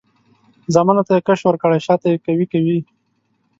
زامنو ته یې کش ورکړی؛ شاته یې قوي کوي.